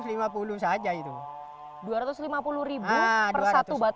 dua ratus lima puluh ribu per satu batang pohon